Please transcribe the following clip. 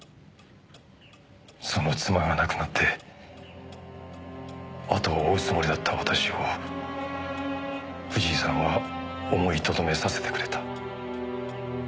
その妻が亡くなって後を追うつもりだった私を藤井さんは思いとどめさせてくれた。